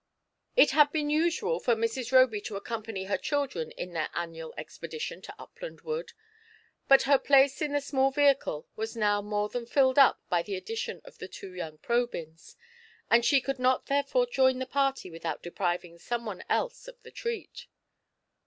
It had been usual for Mrs. Roby to accompany her children in their annual expedition to Upland Wood, but her place in the small vehicle was now more than filled up by the addition of the two young Probyns, and she could not therefore join the party without depriving some one else of the treat.